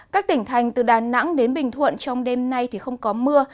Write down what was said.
các tỉnh thành từ đà nẵng đến bình thuận trong đêm nay thì không có mưa